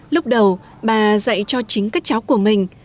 lúc đầu bà dạy cho chính các cháu của mình